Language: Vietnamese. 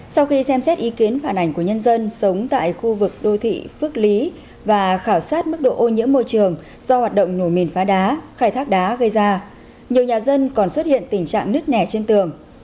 sau khi xem xét ý kiến phản ảnh của nhân dân sống tại khu vực đô thị phước lý và khảo sát mức độ ô nhiễm môi trường do hoạt động nổi mìn phá đá khai thác đá gây ra nhiều nhà dân còn xuất hiện tình trạng nứt nẻ trên tường